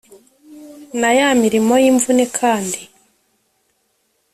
na ya mirimo y’imvune kandi,